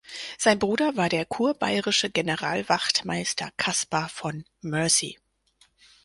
Sein Bruder war der kurbayerische Generalwachtmeister "Kaspar von Mercy".